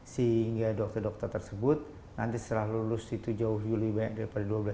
sehingga dokter dokter tersebut nanti setelah lulus itu jauh lebih banyak dari dua belas